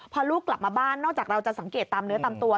พอลูกกลับมาบ้านนอกจากเราจะสังเกตตามเนื้อตามตัว